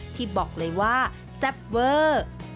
ที่บอกเลยว่าแซ่บเวอร์